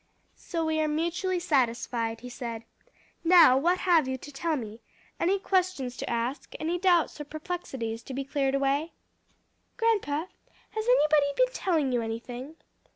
"So we are mutually satisfied," he said. "Now what have you to tell me? any questions to ask? any doubts or perplexities to be cleared away?" "Grandpa, has anybody been telling you anything?"